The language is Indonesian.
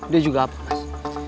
dia juga apa mas